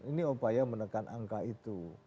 ini upaya menekan angka itu